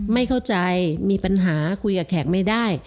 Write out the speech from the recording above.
ไม่เข้าใจมีปัญหาคุยกับแขกไม่ได้